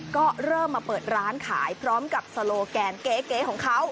ก็เริ่มมาเปิดร้านขายพร้อมกับโซโลแกนเก๋ของเขา